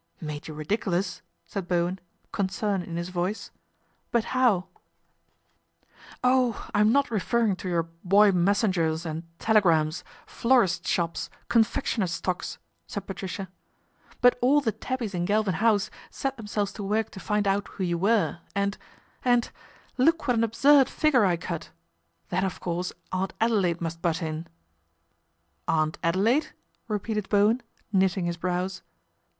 " Made you ridiculous," said Bowen, concern in his voice. " But how ?" 102 PATRICIA BRENT, SPINSTER " Oh, I am not referring to your boy messengers and telegrams, florists' shops, confectioners' stocks," said Patricia, " but all the tabbies in Galvin House set themselves to work to find out who you were and and look what an absurd figure I cut ! Then of course Aunt Adelaide must butt in." " Aunt Adelaide !" repeated Bowen, knitting his brows.